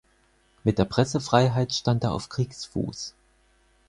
Mit der Pressefreiheit stand er auf Kriegsfuß.